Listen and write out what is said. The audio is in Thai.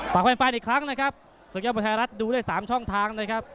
ฝากแฟนอีกครั้งนะครับศึกยอดมวยไทยรัฐดูได้๓ช่องทางนะครับ